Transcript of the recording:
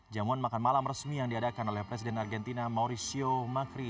jamuan makan malam resmi yang diadakan oleh presiden argentina mauricio macri